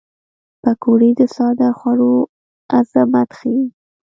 پکورې د ساده خوړو عظمت ښيي